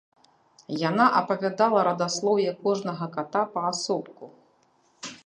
Яна апавядала радаслоўе кожнага ката паасобку.